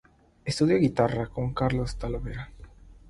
Estudió guitarra con Carlos Talavera.